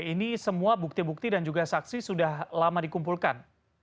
ini semua bukti bukti dan juga saksi sudah lama dikumpulkan